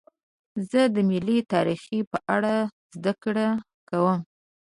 زه د ملي تاریخ په اړه زدهکړه کوم.